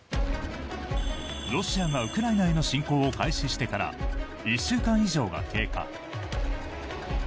ロシアがウクライナへの侵攻を開始してから１週間以上が経過。